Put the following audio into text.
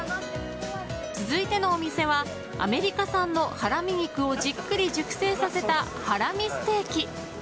続いてのお店はアメリカ産のハラミ肉をじっくり熟成させたハラミステーキ。